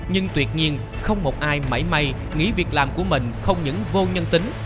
nhưng tuyệt nhiên không một ai mãi may nghĩ việc làm của mình không những vô nhân tính